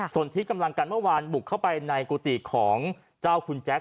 ส่วนที่กำลังกันเมื่อวานบุกเข้าไปในกุฏิของเจ้าคุณแจ๊ค